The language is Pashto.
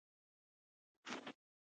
خندا مه پرېږده.